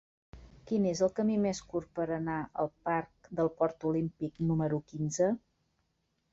Quin és el camí més curt per anar al parc del Port Olímpic número quinze?